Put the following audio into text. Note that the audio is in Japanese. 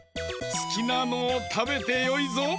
すきなのをたべてよいぞ。